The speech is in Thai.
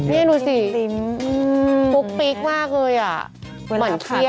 นี่ดูสิพุกปี๊กมากเลยหรอ